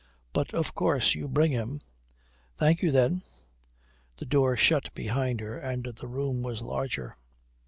"But of course you bring him." "Thank you then." The door shut behind her, and the room was larger.